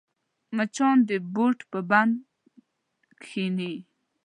مچان د بوټ پر بند کښېني